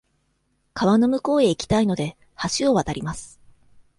川の向こうへ行きたいので、橋を渡ります。